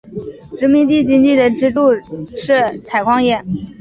殖民地经济的支柱是采矿业。